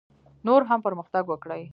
نور هم پرمختګ وکړي.